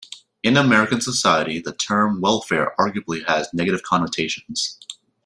In American society, the term "welfare" arguably has negative connotations.